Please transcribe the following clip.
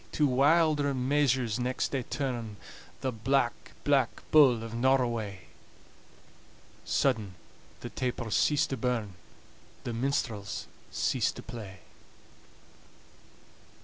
To wilder measures next they turn "The Black, Black Bull of Norroway!" Sudden the tapers cease to burn, The minstrels cease to play.